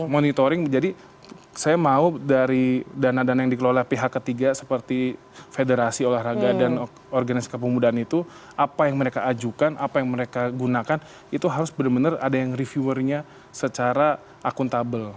monitoring jadi saya mau dari dana dana yang dikelola pihak ketiga seperti federasi olahraga dan organisasi kepemudaan itu apa yang mereka ajukan apa yang mereka gunakan itu harus benar benar ada yang reviewernya secara akuntabel